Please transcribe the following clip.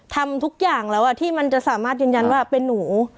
ทำทุกอย่างแล้วที่มันจะสามารถยืนยันว่าเป็นหนู